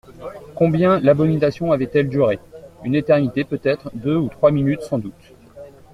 Combien l'abomination avait-elle duré ? une éternité peut-être, deux ou trois minutes sans doute.